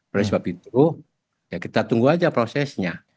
oleh sebab itu ya kita tunggu aja prosesnya